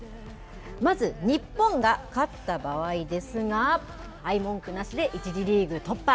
まず日本が勝った場合ですが、文句なしで１次リーグ突破。